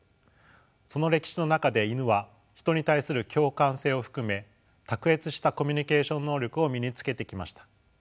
その歴史の中でイヌはヒトに対する共感性を含め卓越したコミュニケーション能力を身につけてきました。